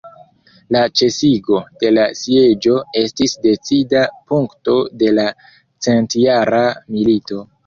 La ĉesigo de la sieĝo estis decida punkto de la centjara milito.